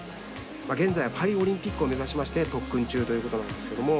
現在はパリオリンピック目指して特訓中ということなんですけど。